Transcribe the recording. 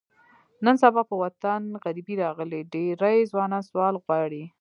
نن سبا په وطن غریبي راغلې، ډېری ځوانان سوال غواړي.